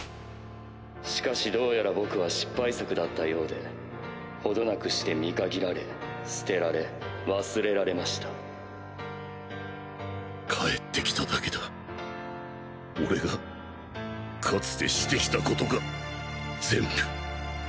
しかしどうやら僕は失敗作だったよう程なくして見限られ捨てられ忘れられました返ってきただけだ俺がかつてしてきた事が全部